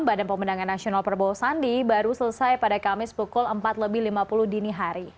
badan pemendangan nasional perbohosandi baru selesai pada kamis pukul empat lima puluh dini hari